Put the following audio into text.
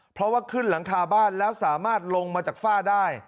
เพราะว่าขึ้นหลังคาบ้านแล้วสามารถลงมาจากฝ้าได้